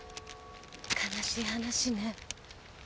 悲しい話ね。